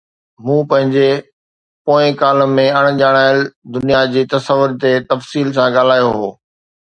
مون پنهنجي پوئين ڪالم ۾ اڻڄاتل دنيا جي تصور تي تفصيل سان ڳالهايو هو.